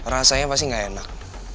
rasanya pasti gak enak